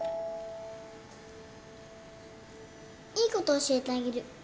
いいこと教えてあげる。